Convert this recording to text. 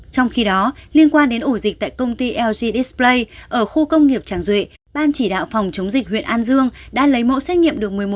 trong khi đó liên quan đến ủ dịch tại công ty lg display ở khu công nghiệp tràng duệ ban chỉ đạo phòng chống dịch huyện an dương đã lấy mẫu xét nghiệm được một mươi một chín trăm một mươi sáu mẫu